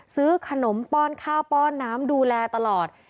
ซื้อขนมป้อนข้าวป้อนน้ำดูแลตลอด